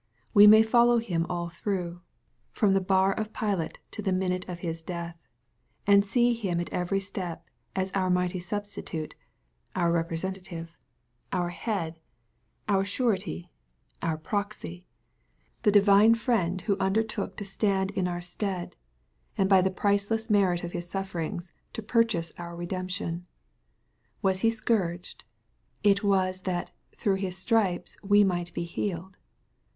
We may follow Him all through, from the bar of Pilate, to tho minute of His death, and see him at every step aa our mighty Substitute, our Bepresentative, our Head, out 192 SXPOSITORT THOUGHTS. Surety, our Proxy, — the Divine Friend who undertook to stand in onr stead, and hy the priceless merit of His sufferings, to purchase our redemption. — Was He scourged ? It was that " through His stripes we might be healed."